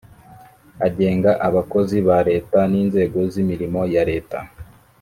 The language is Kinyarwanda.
agenga abakozi ba leta n inzego z imirimo ya leta